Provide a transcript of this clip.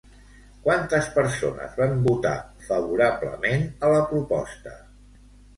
Quantes persones van votar favorablement a la proposta?